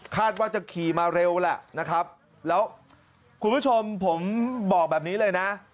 ว่าจะขี่มาเร็วแหละนะครับแล้วคุณผู้ชมผมบอกแบบนี้เลยนะ